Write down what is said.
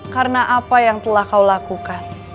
karena apa yang telah kau lakukan